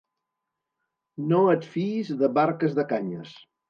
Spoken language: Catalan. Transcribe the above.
No et fiïs de barques de canyes.